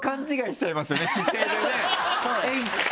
姿勢でね。